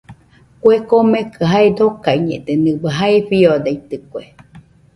Kue komekɨ jae dokaiñede, nɨbai jae fiodaitɨkue.